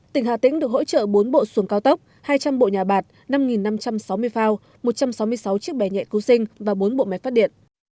tỉnh hà tĩnh được hỗ trợ bốn bộ xuồng cao tốc hai trăm linh bộ nhà bạc năm năm trăm sáu mươi phao một trăm sáu mươi sáu chiếc bẻ nhẹ cứu sinh và bốn bộ máy phát điện